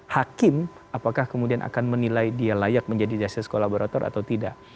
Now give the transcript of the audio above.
hakim apakah kemudian akan menilai dia layak menjadi justice kolaborator atau tidak